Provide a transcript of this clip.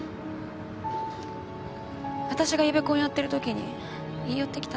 わたしがイベコンやってるときに言い寄ってきたんです。